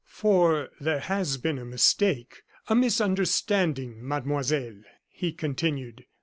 "For there has been a mistake a misunderstanding, Mademoiselle," he continued.